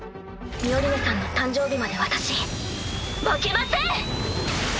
ミオリネさんの誕生日まで私負けません！